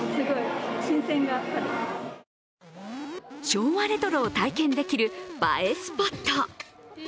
昭和レトロを体験できる映えスポット。